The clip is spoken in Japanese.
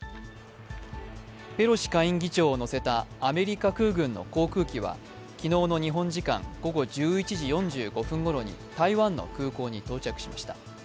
ペロシ下院議長を乗せたアメリカ空軍の航空機は昨日の日本時間午後１１時４５分ごろに台湾の空港に到着しました。